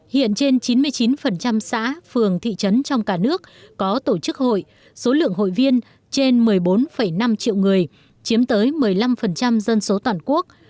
hiện trên chín mươi chín xã phường thị trấn trong cả nước có tổ chức hội số lượng hội viên trên một mươi bốn năm triệu người chiếm tới một mươi năm dân số toàn quốc